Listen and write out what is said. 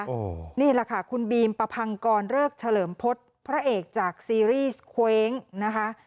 นี่แหละค่ะคุณบีมประพังกรเริกเฉลิมพฤษพระเอกจากซีรีส์เคว้งนะคะ